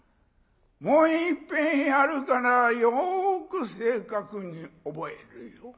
もういっぺんやるからよく正確に覚えるよう。